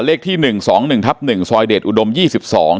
เลขที่หนึ่งสองหนึ่งทับหนึ่งสอยเดชอุดมยี่สิบสอง